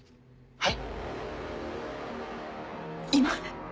はい！